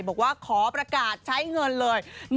บอกว่าขอประกาศใช้เงินเลย